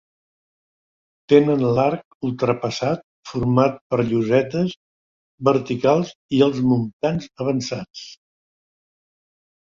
Tenen l'arc ultrapassat format per llosetes verticals i els muntants avançats.